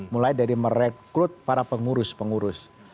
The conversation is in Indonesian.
mulai dari merekrut para pengurus pengurus